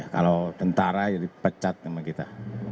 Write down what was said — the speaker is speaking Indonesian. kalau tentara jadi pecat sama kita